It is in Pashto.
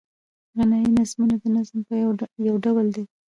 غنايي نظمونه د نظم یو ډول دﺉ.